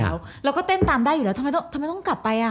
เราก็เต้นตามได้อยู่แล้วทำไมต้องกลับไป